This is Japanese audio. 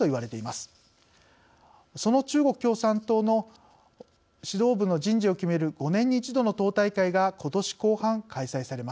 その中国共産党の指導部の人事を決める５年に１度の党大会がことし後半開催されます。